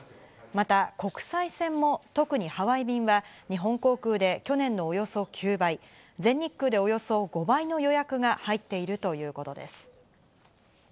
また国際線も、特にハワイ便は日本航空で去年のおよそ９倍、全日空でおよそ５倍の予約が入っているということです。